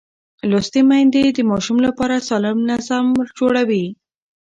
لوستې میندې د ماشوم لپاره سالم نظم جوړوي.